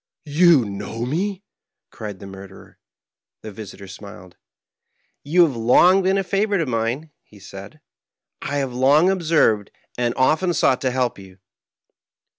" You know me ?" cried the murderer. The visitor smiled. " You have long been a favorite of mine," he said ;" and I have long observed and often sought to help you."